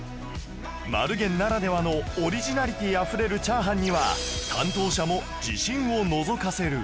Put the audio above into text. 丸源ならではのオリジナリティーあふれるチャーハンには担当者も自信をのぞかせる